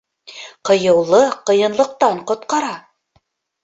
Ҡыйыулыҡ ҡыйынлыҡтан ҡотҡара.